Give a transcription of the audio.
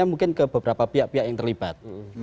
mungkin ke beberapa pihak pihak yang terlibat